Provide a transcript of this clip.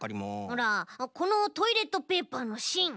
ほらこのトイレットペーパーのしん。